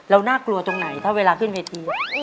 แล้วน่ากลัวตรงไหนเวลาขึ้นเวที